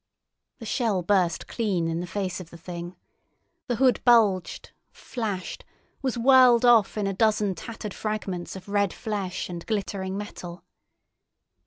The shell burst clean in the face of the Thing. The hood bulged, flashed, was whirled off in a dozen tattered fragments of red flesh and glittering metal.